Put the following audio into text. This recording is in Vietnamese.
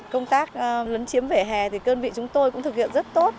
công tác lấn chiếm vỉa hè thì cơn vị chúng tôi cũng thực hiện rất tốt